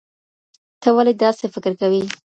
ته ولې داسې فکر کوې؟